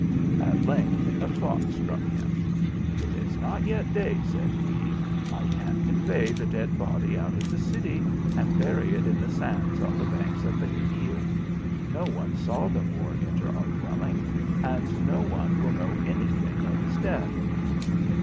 At length a thought struck him. "It is not yet day, said he. " I can convey the dead body out of the city arid bury it in the sands on the banks of the Xenil.. No one saw the Moor enter our dwelling, and no one will know any thing of his death."